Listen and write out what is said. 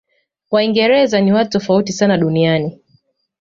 waingereza ni watu tofauti sana duniani